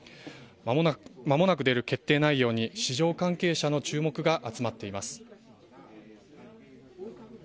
まもなく出る決定内容に、市場関係者の注目が集まっています。